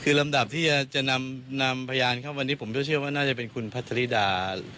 คือลำดับที่จะนำพยานเข้าวันนี้ผมก็เชื่อว่าน่าจะเป็นคุณพัชริดา